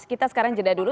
kita sekarang jeda dulu